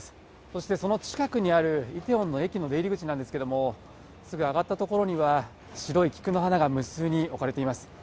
そして、その近くにあるイテウォンの駅の出入り口なんですけれども、すぐ上がった所には、白い菊の花が無数に置かれています。